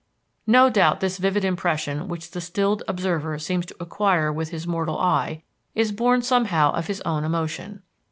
No doubt this vivid impression which the stilled observer seems to acquire with his mortal eye, is born somehow of his own emotion.